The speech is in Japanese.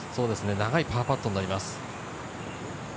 長いパーパットになります。